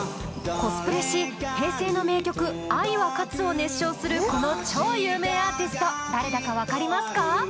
コスプレし平成の名曲「愛は勝つ」を熱唱するこの超有名アーティスト誰だか分かりますか？